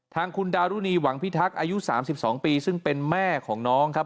ทางคุณดารุณีหวังพิทักษ์อายุ๓๒ปีซึ่งเป็นแม่ของน้องครับ